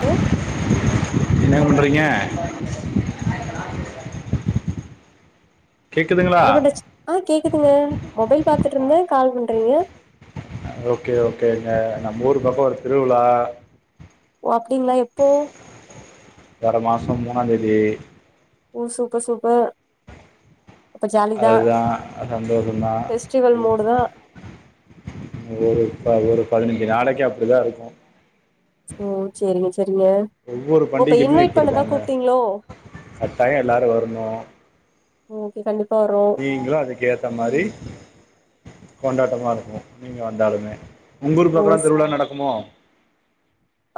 hello என்னப்பன்றீங்க கேக்குதுங்களா என்ன பண்ட்ர்ச்சு ஆ கேக்குதுங்க மொபைல் பாத்துட்டு இருந்தே கால் பண்றீங்க ஓகே ஓகேங்க நம் ஊரு பக்கோ ஒரு திருவிழா ஓ அப்டிங்களா எப்போ வற மாசோ மூணாந் தேதி ஓ சூப்பர் சூப்ப அதுதா அ சந்தோஷந்தா ஃபெஸ்டிவல் மூடு தா ஒரு ஒரு பதினஞ்சு நாளைக்கி அப்டிதா இருக்கு ம் செரிங்க செரிங்க ஓப்ப இன்வைட் பண்ணதா கூப்ட்டீங்களோ கட்டாயோ எல்லாரு வருணு ஓகே கண்டிப்பா வரோ நீங்களு அதுக்கு ஏத்த மாரி கொண்டாட்டமா இருக்கு நீங்க வந்தாலுமே உங்க ஊர் ஓ பக்கலா சே திருவிழா நடக்குமோ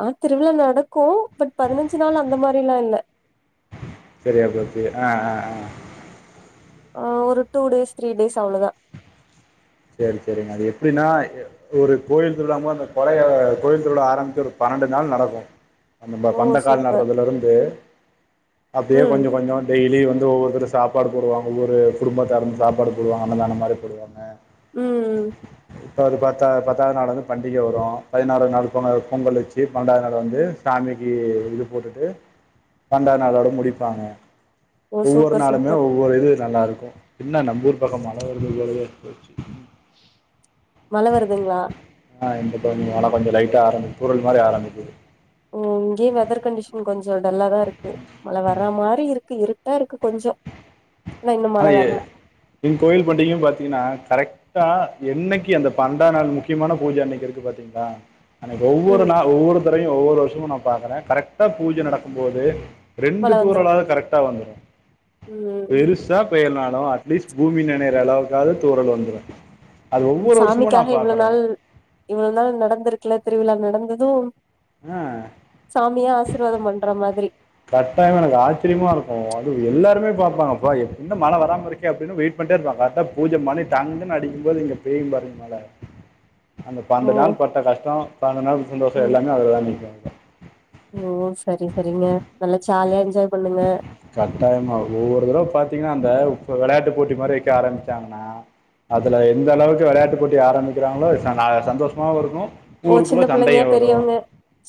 ஆ திருவிழா நடக்கு பட் பதினஞ்சு நாள் அந்த மாரி ல்லா இல்ல சரியா போச்சு ஆ ஆ ஆ ஒரு டூ டேஸ் த்ரீ டேஸ் அவ்ளதா சேரி செரிங்க அது எப்டினா எ ஒரு கோவில் திருவிழா போது அந்த கொலைய கோயில் திருவிழா ஆரம்பிச்சு ஒரு பன்னெண்டு நாளு நடக்கு நம்ப ஓ பந்தக்கால் சூப்பர் நடுறதுலருந்து அப்டியே ம் கொஞ்சோ கொஞ்சோ டெய்லியு வந்து ஒவ்வொருத்தரு சாப்பாடு போடுவாங்க ஒவ்வொரு குடும்பத்தாரும் சாப்பாடு போடுவாங்க அன்னதானம் மாறி போடுவாங்க ம்ம் இப்போ ஒரு பத்தா பத்தாவ்து நாளு வந்து பண்டிக வரு பதினாறாவ் நாளு போங்க பொங்கல் வச்சு பன்னெண்டாவ்து நாள் வந்து சாமிக்கி இது போட்டுட்டு பண்டாவ்து‌ நாளோட முடிப்பாங்க ஓ ஒவ்வொரு சூப்பர் நாளுமே சூப்பர் ஒவ்வொரு இது நல்லா இருக்கு இன்னா நம்ம ஊர் பக்கோ மழ வருது போலயே இருக்கு பேச்சி மழ வருதுங்களா ஆ இந்தடைமு மழ கொஞ்சோ லைட்டா தூறல் மாறி ஆரம்பிக்குது ஓ இங்கேயே வெதர் கண்டிஷனர் கொஞ்சோ டல்லா தா இருக்கு மழ வர்றா மாறி இருக்கு இருட்டா இருக்கு கொஞ்சோ ஆனா இன்னு மழ ஆ எ வரல என் கோயில் பண்டிகையு பாத்தீங்ன்னா கரெக்ட் டா என்னைக்கி அந்த பந்தா நாளு முக்கியமான பூஜ அன்னைக்கி இருக்கு பாத்தீங்களா அனைக்கி ஒவ்வொரு ம் நா ஒவ்வொரு தரையு ஒவ்வொரு வருஷமு நா பாக்குறே கரெக்டா பூஜ நடக்கும் போது மழ ரெண்டு வந்துரு தூரளாவுது கரெக்டா வந்துது ம் பெருசு தா‌ பெய்லனாலு அட்லீஸ்ட் பூமி நனையிற அளவுக்காது தூரல் வந்துரு அது ம் ஒவ்வொரு வருசமு நா சாமிக்காக இவ்ளோ பாக்குறே நாள் இவ்ளோ நாள் நடந்துருக்குல திருவிழா நடந்தது அ சாமியே ஆசிர்வாதோ பண்ற மாதிரி கட்டாயோ எனக்கு ஆச்சரியமா இருக்கு அது எல்லாருமே பாப்பாங்கப்பா என்ன மழ வரா மாரி இருக் கு அப்டின்னு வெயிட் பண்ட்டே இருப்பாங்க கரெக்டா பூஜ மணி டங்குன்னு அடிக்கு போது இங்க பெய்யு பாருங்க மழ அந்த ஓ பன்னென்டுநாள் பட்ட கஷ்டோ பன்னென்டுநாள் சந்தோஷோ ம் எல்லாமே அதுல தா இருக்கு ஓ சரி சரிங்க நல்லா ஜாலியா என்ஜாய் பண்ணுங்க கட்டாயமா ஒவ்வொரு தடவ பாத்திங்கன்னா அந்த வெளையாட்டு போட்டி மாரி வைக்க ஆரம்பிச்சாங்ன்னா அதுல எந்த அளவுக்கு வெளையாட்டு போட்டி ஆரம்பிக்றாங்ளோ சந்தோஷமாவு இருக்கு ஓ சின்ன புள்ளைங்க பெரியவங்க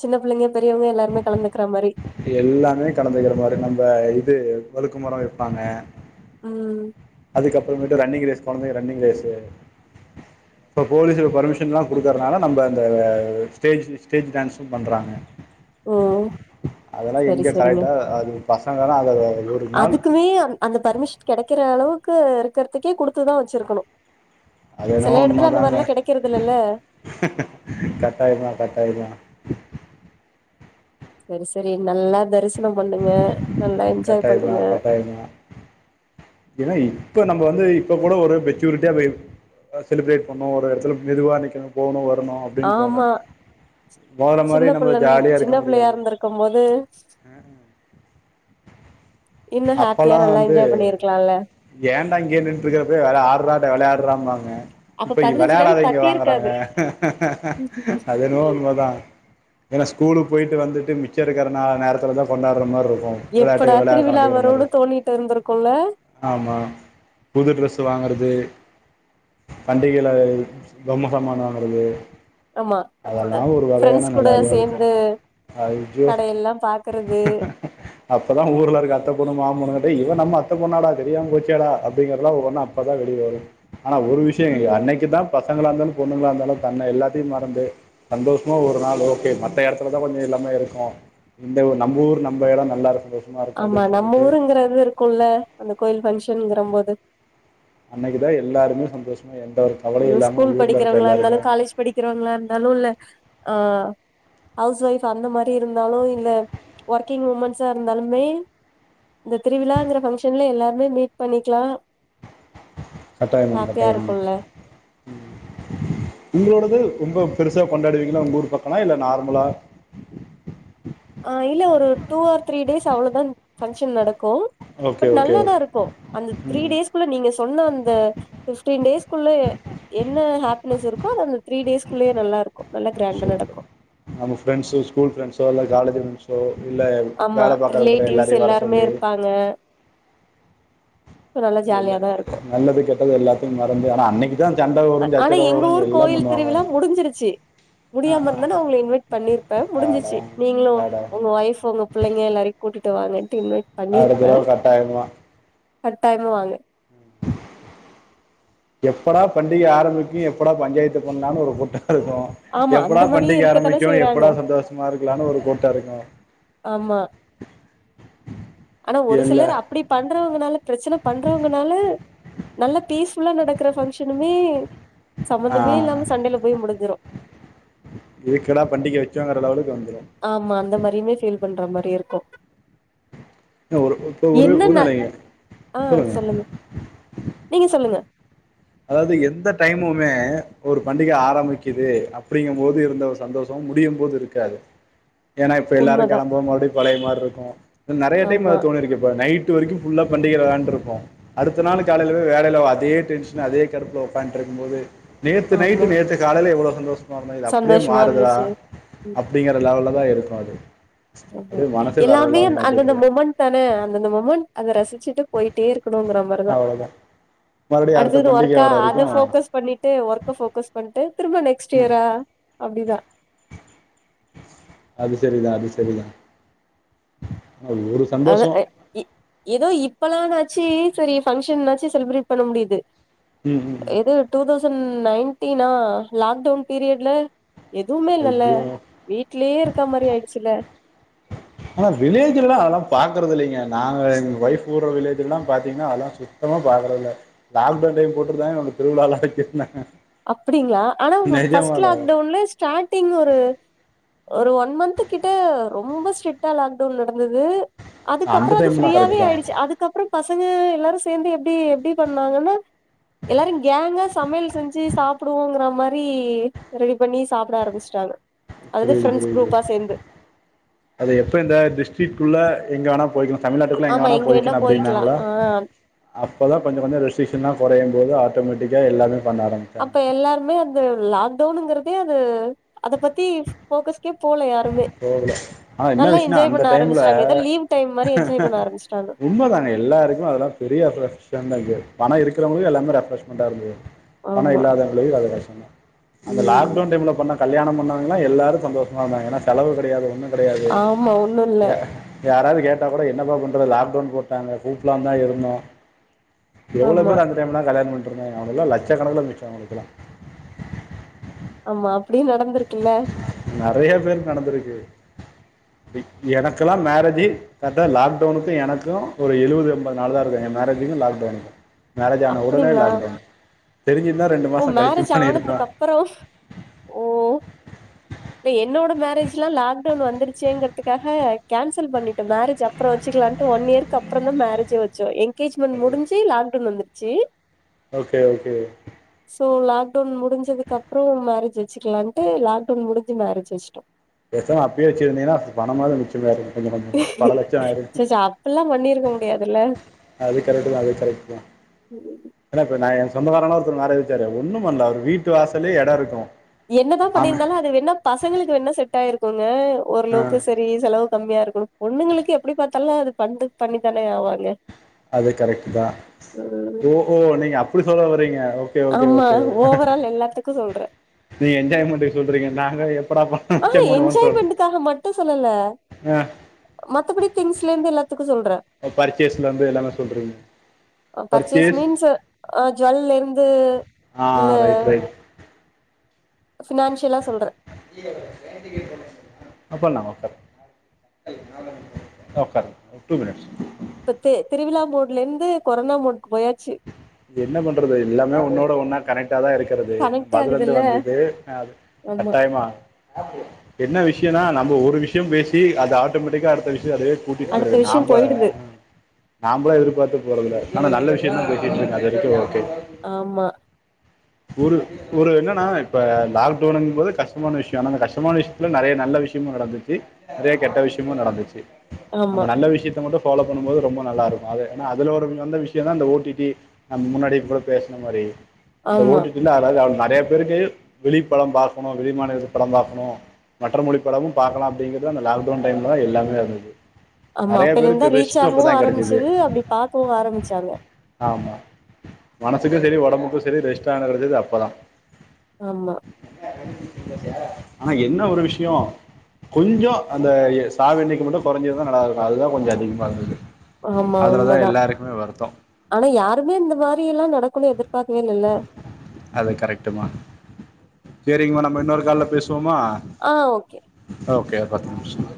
சின்ன புள்ளைங்க பெரியவங்க எல்லாருமே கலந்துக்குற மாரி எல்லாமே கலந்துக்குற மாரி நம்ம இது வழுக்குமரோ வைப்பாங்க ம் அதுக்கப்ற மேட்டு ரன்னிங் ரேஸ் கொழந்தைங்க ரன்னிங் ரேஸ்சு இப்போ போலீஸூங்க பர்மிஷன்லா குடுக்குறனால நம்ம அந்த ஸ்டேஜ் ஸ்டேஜ் டான்ஸு பண்றாங்க ஓ அதெல்லா சரி எங்க சரிங்க கரெக்டா அது பசங்கனா அது ஒரு நாள் அதுக்குமே அந் அந்த பர்மிஷ் கெடைக்கிற அளவுக்கு இருக்கற்துக்கே குடுத்துதா வச்சிருக்கணு அது சசெல எடத்துல அந்த மாரில்லா கெடைக்றதுல்லல்ல கட்டாயமா கட்டாயமா செரி செரி நல்லா தரிசனோ பண்ணுங்க நல்லா என்ஜாய் பண்ணுங்க கட்டாயமா ஏன்னா இப்ப நம்ம வந்து இப்ப கூட ஒரு மெச்சூரிட்டியா பெயிரு செலிப்ரேட் பண்ணு ஒரு எடத்துல மெதுவாக நிக்கனு போனு வரணு அப்டின் தோணு ஆமா போற மாறி நம்ம ஜாலியா இருக்க முடியாது க்கும்போது அ இன்னு ஹாப்பியா அப்போல்லாம் நல்லா வந்து என்ஜாய் பண்ணிருக்லால்ல ஏன்டா இங்கேயே நின்னுட்ருக்க போய் ஆட்ற வெளையாட்றாம்பாங்க அப்ப இப்ப பதினஞ்சு நாள் வெளையாடாதிங்கடாங்றாங்க பத்திருக்காது அது என்னமோ உண்மதா ஏன்னா ஸ்கூலுக்கு பொய்டு வந்துட்டு மிச்சோ இருக்கிற நேரத்துலதா கொண்டாட்ற மாரி இருக்கு எப்படா திருவிழா வருன்னு தோணிட்ருந்திருக்குல்ல ஆமா புதுட்ரெஸ் வாங்கறது பண்டிகையில பொம்மசாமான் வாங்குறது ஆமா அதெல்லா ஒரு வகையான ஃப்ரெண்ட்ஸ் கூட நல்லாதா இருக்கு சேந்து ஐயோ கடையெல்லா பாக்குறது அப்பதா ஊர்ல இருக்க‌ அத்த பொண்ணு மாமா பொண்ணு இவ நம்ம அத்த பொண்ணாடா தெரியாம போச்சேடா அப்டிங்கிறதுல ஒவொண்ணா அப்பதா வெளியவரு ஆனா ஒரு விஷ்யோ ம் அன்னைக்குதா பசங்களா இருந்தாலு பொண்ணுங்களா இருந்தாலு பண்ண எல்லாத்தையு மறந்து சந்தோஷமா ஒரு நாள் ஓகே மத்த எடத்துலதா கொஞ்சோ எல்லாமே இருக்கு இந்த நம்ம ஊர் நம்ம எடோ நல்ல இருக்கு சந்தோஷமா இருக்கு ஆமா அப்டின்னு நம்ம ஊருங்றது இருக்குல்ல அந்த கோயில் பங்க்ஷன்ங்ர போது அன்னைக்குதா எல்லாருமே சந்தோஷமா எல்லாருக்கு இனிமே ஸ்கூல் படிக்றவங்ளா இருந்தாலு காலேஜ் படிக்றவங்ளா இருந்தாலு இல்ல அ ஹவுஸ் ஒய்ஃப் அந்த மாரி இருந்தாலு இல்ல ஒர்க்கிங் உமன்ஸா இருந்தாலுமே இந்த திருவிழாங்கிற ஃபங்க்ஷன்ல எல்லாருமே மீட் பண்ணிக்கலா கட்டாயமா ஹாப்பியா கட்டாயமா இருக்குல்ல உங்களோடது ரொம்ப பெருசா கொண்டாடுவீங்களா உங்க ஊர் பக்கனா இல்ல நார்மலா ஆ இல்ல ஒரு டூ ஆர் த்ரீ டேஸ் அவ்ளோதா ஃபங்க்ஷன் நடக்கு ஓகே பட் ஓகே நல்லா ஓகே தா இருக்கு அந்த த்ரீ ம் டேஸ் ள்ள நீங்க சொன்ன அந்த ஃபிப்டீன் டேஸ்க்குள்ளே என்ன ஹாப்பினஸ் இருக்கோ அது அந்த த்ரீ டேஸ்குள்ளயே நல்லா இருக்கு நல்லா கிரேண்டா சூப்பர் நடக்கு நம்ம ஃப்ரண்ட்ஸ்சு ஸ்கூல் ஃப்ரண்ட்ஸ்ஸ எல்ல காலேஜ் ஜோ இல்ல வேல பாக்குற எடத்துல எல்லாரையு வர சொல்லி சொல்லுங்க இல்ல ஜாலியாதா இருக்கு நல்லது கெட்டது எல்லாத்தையு மறந்து ஆனா அன்னைக்கு யா சண்ட வரு ஆனா சச்சரவு எங்க வரு ஊர் எல்லாம் கோயில் பண்ணுவாங்க திருவிழா முடிஞ்சிருச்சு ஆ முடியாம ஆ இருந்தனா உங்கள இன்வைட் பண்ணிருப்பே ஆடா முடிஞ்சிச்சு நீங்களு ஆடா உங்க ஒய்ஃப்பு உங்க புள்ளைங்க எல்லாரையு கூட்டிட்டு வாங்கன்ட்டு இன்வைட் அடுத்த பண்ணிருப்பே தடவை கட்டாயமா கட்டாயமா வாங்க எப்படா பண்டிகை ஆரம்பிக்கு எப்படா பஞ்சாயத்து பண்லான்னு ஒரு கூட்டோ இருக்கு ஆமா எப்படா அந்த மாரியே பண்டிகை இருக்கத்தானே ஆரம்பிக்கு செய்யறாங்க எப்படா சந்தோஷமா இருக்கலான்னு ஒரு கூட்ட இருக்கு ஆமா ஆனா ஒரு இல்லை சிலர் அப்படி பண்றவங்கனால பிரச்சன பண்றவங்கனால நல்லா பீஸ்ஃபுல்லா நடக்கற பங்க்ஷனுமே ஆ சம்மந்தமே இல்லாம சண்டையில போய் முடிஞ்சிரு எதுக்குடா பண்டிகை வச்சாங்ககிற லெவளுக்கு வந்துரு ஆமா அந்த மாரியுமே ஃபீல் பண்ற மாரி இருக்கு ஒரு இப்போ ஒரு ஒரு என்னன்ன நிலைங்க ஆ சொல்லுங்க நீங்க சொல்லுங்க அதாவது எந்த டைமுமே ஒரு பண்டிக ஆரம்பிக்குது அப்படிங்கும் போது இருந்த ஒரு சந்தோ ஷம் முடியும் போது இருக்காது ஏன்னா இப்ப எல்லாரு உண்மதா கெளம்பு போது பழையமார்ருக்கு நறைய டைம் ஆமா அது தோனிருக்கு இப்ப நை ட்டு வரைக்கும் ஃபுல்லா பண்டிகைதான்ருக்கு அடுத்த நாளு காலையில வேலைல அதே டென்ஷன் அதே கடப்புல ஒக்கான்ருக்கும் போது நேத்து நைட்டு ஆமா நேத்து காலைல எவ்ளோ சந்தோஷ மா இருந்தோ இது அப்படியே சந்தோஷமா மாறுதுடா இருந்துச்சு ம் அப்படிங்கற லெவல்ல தா இருக்கு அது ஆமா அப்படியே மனசே வேற எல்லாமே லெவல் மாத்தி அந்தந்த விட்ரும் மொமெண்ட் தானே அந்தந்த மொமெண்ட் அத ரசிச்சு ட்டு போயிட்டே இருக்கணுங்கிற மாரிதா அவ்ளோதா மறுபடியு அடுத்த அடுத்தது பண்டிகை ஒர்கா வர வரைக்கு அத போக்கஸ் பண்ணிட்டு ஒர்க்க போக்கஸ் பண்ட்டு திரும்ப நெக்ஸ்ட் ம் இயரா அப்படிதா அது செரிதா அது செரிதா அ ஊரு அத இ ஏதோ இப்பல்லாம்னாச்சு சரி பங்க்ஷன்னாச்சு செலிப்ரேட் பண்ண முடியுது ம் ம் எதோ டூ தௌசண்ட் நைன்டீனா லாக்டவுன் பீரியட்ல எதும்மே இல்லல்ல ஐயோ வீட்லயே இருக்க மாரி ஆயிடுச்சுல ஆனா வில்லேஜ்ல்லலா அல்லா பாக்கறது இல்லைங்க நாங்க எங்க ஒய்ஃப் கூட வில்லேஜ்ல்ல தா பாத்தீங்ன்னா அல்லா சு த்தமா பாக்குறல்ல லாக்டவுன் டைம் போட்டு தா என்னோட திருவிழால்லா [unintelligible] அப்டிங்ளா ஆனா ஃபர்ஸ்ட் லாக்டவுன்ல ஸ்டார்டிங் ஒரு ஒரு ஒன் மந்த்து கிட்ட ரொம்ப ஸ்ட்ரிட்டா லாக்டவுன் நடந்துது அந்த அதுக்கப்றோ அது டைம்லா ஃப்ரீயாவே கரெக்ட் தா ஆயிடுச்சி அதுக்கப்றோ பசங்க எல்லாரு சேந்து எப்டி எப்டி பண்ணாங்கன்னா எல்லாரு கேங்கா சமையல் செஞ்சு சாப்புடுவோங்கறா மாரி ரெடி பண்ணி சாப்ட ஆரம்பிச்ட்டாங்க அது புரியுது ஃப்ரெண்ட்ஸ் புரியுது குரூப்பா சேந்து அது எப்ப இந்த டிஸ்டிக்குள்ள எங்க வேணா போயிக்கலா தமிழ்நாட்டுக்குள்ள எங்க ஆமா வேணா போயிக்கலா போய்க்கலா அப்டின்னாங்களா ஆ அப்போ தா கொஞ்ச கொஞ்ச ரெஸ்டிக்ன்ஷலா கொறையும் போது ஆட்டோமேட்டிக்கா எல்லாமே பண்ண ஆ அப்ப எல்லாருமே அந்த லாக்டவுனுங்கறதே அது அத பத்தி போஃக்கஸ்கே போல யாருமே போகல ஆனா என்ன நல்லா விஷயம்னா என்ஜாய் அந்த பண்ண டைம்ல ஆரம்ச்சுட்டாங்க ஏதோ லீவ் டைம் மாரி என்ஜாய் பண்ண ஆரம்ச்பிச்ட்டாங்க உண்ம தாங்க எல்லாருக்கோ அதெல்லா பெரிய ரெஃப்ரஷமெண்டா இருக் பணோ இருக்கிறவங்களுக் எல்லாமே ரெஃப்ரெஷ்மெண்ட்டா இருக்கு பண ஆமா இல்லாதவங்களுக்கு அது கஷ்ட்டோந்தா அந்த ம் லாக்டவுன் டைம்ல பண்ண கல்யாணோ பண்ணவங்களா எல்லாரு சந்தோஷமா ஆமா ஏன்னா செலவு கெடயாது ஒன்னு கெடயாது ஆமா ஒண்ணு இல்ல ய யாராது கேட்டா கொட என்னப்பா பண்ற லாக்டவுன் போட்டாங்க கூப்லாந்தா இருந்த எவ்ளோ ஆமா பேர் அந்த டைம்லா கல்யாணோ பண்ணிட்ருந்தாங்க அவுங்கல்லா லட்சக்கணக்குல்ல மிச்சோ அவுங்களுக்குல்லா ஆமா அப்டியு நடந்திருக்குல்ல நறைய பேர்க்கு நடந்திருக்கு எனக்கல்லா மேரஜ்ஜு கரெட்டா லாக்டவுனுக்கு எனக்கோ ஒரு எழுபது எம்பது நாள் தா இருக்கோ எ மேரேஜுக்கோ லாக்டவுனுக்கோ மேரேஜ் ஆன ஒடனே அப்டிங்களா லாக்டவுன் தெரிஞ்சிருந்தா ரெண்டு மாசோ கழிச்சி பண்ணி இருக்லா பறோஸ் ஓ எ என்னோட மேரேஜ்லா லாக்டவுன் வந்துருச்சேங்கிறதுக்காக கேன்சல் பண்ணிட்டோ மேரேஜ்ஜ அப்றோ வச்சிக்லான்ட்டு ஒன் இயர்க்கு அப்றோந்தா மேரஜே வச்சோ எங் கேஜ்மென்ட் முடிஞ்சி லாக்டவுன் வந்துச்சி ஓகே ஓகே சோ லாக்டவுன் முடிஞ்சதுக்கு அப்றோ மேரேஜ் வச்சுக்கலான்ட்டு லாக்டவுன் முடிஞ்சு மேரேஜ் வச்ட்டோ பேசாம அப்பே வச்சிருந்திங்கன்னா பணமாது மிச்சோ ஆயிருக்கோ கொஞ்ச கொஞ்சமா பல லட்சோ ஆயிருக்கு சேச்சே அப்பல்லா பண்ணிருக்க முடியாதுல்ல அது கரெட்டு தா அது கரெட்டு தா ஏன்னா இப்ப நா எ சொந்தக்கார அண்ணா ஒருத்தர் மேரேஜ் வச்சாரு ஒண்ணும் பண்ல்ல அவரு வீட்டு வாசலே எடோ இருக்கோம் என்னதா பண்ணியிருந்தாலு அது வேணா பசங்களுக்கு வேணா செட் ஆயிருக்கோங்க ஆ ஓரளவுக்கு செ நீங்க செலவு கம்மியா இருக்கனோ பொண்ணுங்களுக்கு எப்டி பாத்தாலு அது பண்து பண்ணிதான ஆவாங்க அது கரெட்டு தா ம் ஓஹோ ஓ நீங்க அப்டி சொல்லவறீங்க ஆமா ஓவரால் எல்லாத்துக்கு சொல்ற நீங்க என்ஜாய்மென்ட்டுக்கு சொல்றீங்க நாங்க எப்படாப்பா ஆஹா என்ஜாய்மெண்ட்டுக்காக மட்டு சொல்லல ஆ மத்தபடி திங்ஸ்லருந்து எல்லாத்துக்கு சொல்ற பர்ச்சேஸ்லருந்து எல்லாமே சொல்றீங்க பர்ச்சேஸ் அ ஜுவல்லருந்து அ ரைட் ரை ஃபினான்ஷியலா சொல்ற ஆ பண்லா ஒர்க் ஒரு டூ மினிட்ஸ் இப்ப து திருவிழா மோட்லந்து கொரோனா மோடுக்கு போயாச்சு என்ன பண்றது எல்லாமே ஒன்னோட ஒன்னா கனெக்ட் டாதா இருக்கறது நம்ம கனெக்ட் அதுல இருந்து ஆகுதுல்ல வந்தது ஆமா கட்டாயமா என்ன விஷயனா நம்ம ஒரு விஷ்யோம் பேசி அது ஆட்டோமேட்டிக்கா அடுத்த விஷியோம் அதே முட்டி அடுத்த போடுது விஷயோ நாங்க போயிடுது நாம் ப எதிர்பாத்து போறதுல்ல க ஆனா நல்ல விஷ்யோம் தா பேசிட்டு இருக்கா அது வரைக்கு ஓகே ஆமா ஒரு ஒரு என்னன்னா இப்ப லாக்டவுனுங் போது கஷ்ட்டமான விஷயோ அனா அந்த கஷ்டமான விஷயத்துல நறைய நல்ல விஷயமு நடந்துச்சி நறையா கெட்ட விஷயமு நடந்துச்சு ஆமா நம்ம நல்ல விஷயத்த மட்டு ஃபாலோ பண்ணும்போது ரொம்ப நல்லா இருக்கு அது ஏன்னா அதுல ஒரு வந்த விஷயோன்னா அந்த ஓ டி டி நம்ம முன்னாடி கூட பேசுன மாரி இந்த ஓ ஆமா டி டில அதாவது [unintelligible] நறையா பேருக்கு வெளிப்படோ பாக்கணு வெளி மாநிலப் படோ பாக்கணு மற்ற மொழிப்படமு பாக்கலா அப்படிங்கறது அந்த லாக்டவுன் டைம்ல தா எல்லாமே வந்துது ஆமா அப்பைலந்தா ரீச் ஆகவு கிடைச்சிது ஆரம்பிச்சுது அப்டி பாக்கவு ஆரம்பிச்சாங்க ஆமா மனசுக்கு செரி ஒடம்புக்கு செரி ரெஸ்ட் [unintelligible] கெடச்சது அப்பதா ஆமா அனா என்ன ஒரு விஷயோ கொஞ்சோ அந்த சாவு எண்ணிக்க மட்டு கொறஞ்சிருந்தா நல்லா இருக்கு அதுதா கொஞ்ச அதிகமா இருந்துது அதுலதா எல்லாருக்குமே வருத்தோ அனா யாருமே இந்த மாரி எல்லா நடக்குன் எதிர்பாக்கவே இல்லல்ல அது கரட்டுமா சேரிங்மா நம்ம இன்னொரு கால்ல பேசுவோமா ஆ ஓகே ஓகே ஒரு பத்து நிம்ஸோ